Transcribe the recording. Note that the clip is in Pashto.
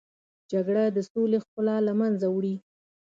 جګړه د سولې ښکلا له منځه وړي